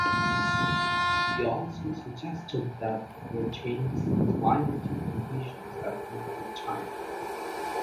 He also suggested that were changes in climatic conditions at different time.